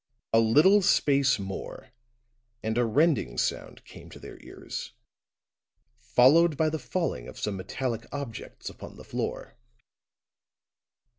A little space more, and a rending sound came to their ears, followed by the falling of some metallic objects upon the floor.